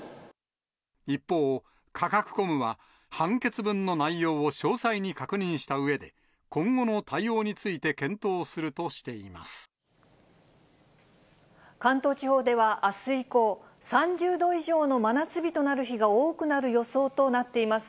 一方、カカクコムは判決文の内容を詳細に確認したうえで、今後の対応について検討するとしていま関東地方ではあす以降、３０度以上の真夏日となる日が多くなる予想となっています。